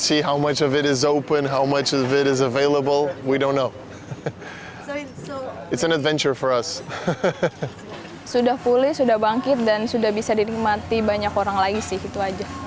sudah pulih sudah bangkit dan sudah bisa dinikmati banyak orang lagi sih itu aja